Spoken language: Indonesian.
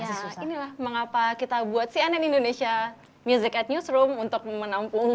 ya inilah mengapa kita buat cnn indonesia music at newsroom untuk menampung